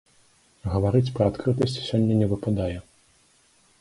Гаварыць пра адкрытасць сёння не выпадае.